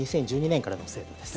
２０１２年からの制度です。